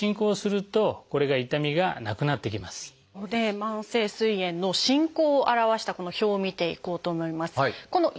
慢性すい炎の進行を表したこの表を見ていこうと思います。